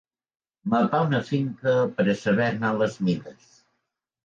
Mapar una finca per a saber-ne les mides.